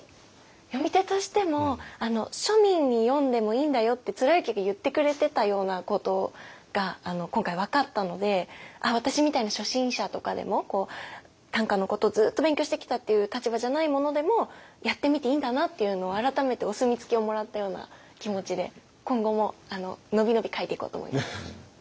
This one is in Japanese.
詠み手としても庶民に「詠んでもいいんだよ」って貫之が言ってくれてたようなことが今回分かったので私みたいな初心者とかでも短歌のことをずっと勉強してきたっていう立場じゃない者でもやってみていいんだなっていうのを改めてお墨付きをもらったような気持ちで今後ものびのび書いていこうと思います。